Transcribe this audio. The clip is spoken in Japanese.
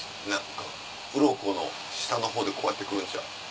ウロコの下の方でこうやって来るんちゃう？